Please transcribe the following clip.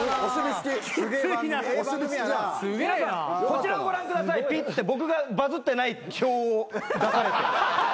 こちらをご覧くださいピって僕がバズってない表を出されて。